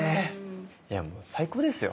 いやもう最高ですよ！